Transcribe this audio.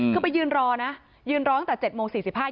คือไปยืนรอนะยืนรอตั้งแต่๗โมง๔๕